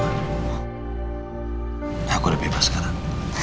aku udah bebas sekarang